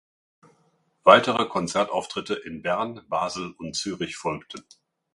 Weitere Konzertauftritte in Bern, Basel und Zürich folgten.